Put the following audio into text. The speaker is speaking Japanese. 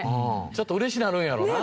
ちょっと嬉しなるんやろな。